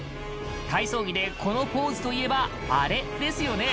体操着でこのポーズといえば「あれ」ですよね。